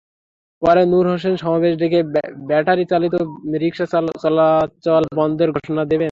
পরে নূর হোসেন সমাবেশ ডেকে ব্যাটারিচালিত রিকশা চলাচল বন্ধের ঘোষণা দেবেন।